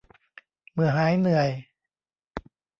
เมื่อหายเหนื่อย